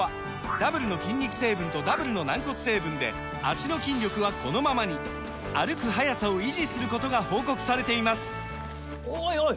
ダブルの筋肉成分とダブルの軟骨成分で脚の筋力はこのままに歩く速さを維持することが報告されていますおいおい！